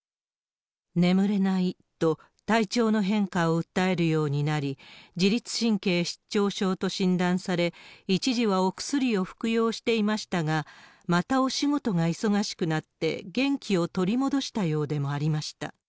眠れないと、体調の変化を訴えるようになり、自律神経失調症と診断され、一時はお薬を服用していましたが、またお仕事が忙しくなって、元気を取り戻したようでもありました。